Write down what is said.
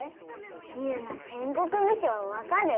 ユウマ戦国武将わかる？